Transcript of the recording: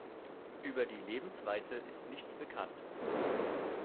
Über die Lebensweise ist nichts bekannt.